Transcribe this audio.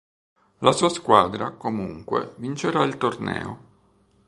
La sua squadra, comunque, vincerà il torneo.